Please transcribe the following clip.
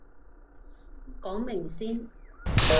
講明先